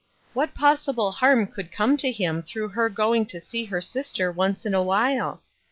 What possible harm could come to him through her going to see her sister once in awhile